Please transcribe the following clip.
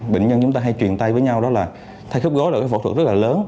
bệnh nhân chúng ta hay truyền tay với nhau đó là thay khớp gối là cái phẫu thuật rất là lớn